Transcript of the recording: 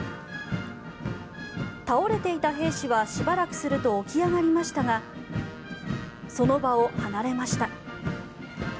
倒れていた兵士はしばらくすると起き上がりましたがその場を離れました。